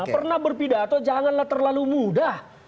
pernah berpidato janganlah terlalu mudah